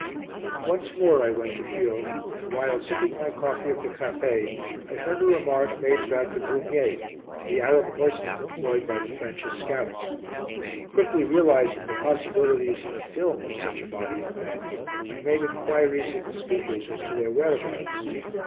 Once more I went to Furnes, and while sipping my coffee at the café I heard a remark made about the Goumiers (the Arab horsemen employed by the French as scouts). Quickly realising the possibilities in a film of such a body of men, I made enquiries of the speakers as to their whereabouts.